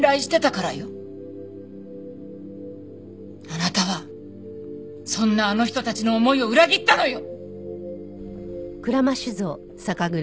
あなたはそんなあの人たちの思いを裏切ったのよ！